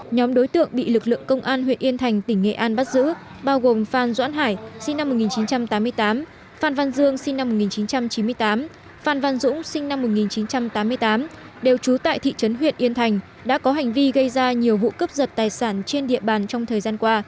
nhóm đối tượng bị lực lượng công an huyện yên thành tỉnh nghệ an bắt giữ bao gồm phan doãn hải sinh năm một nghìn chín trăm tám mươi tám phan văn dương sinh năm một nghìn chín trăm chín mươi tám phan văn dũng sinh năm một nghìn chín trăm tám mươi tám đều trú tại thị trấn huyện yên thành đã có hành vi gây ra nhiều vụ cướp giật tài sản trên địa bàn trong thời gian qua